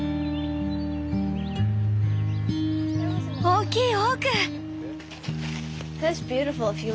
大きいオーク！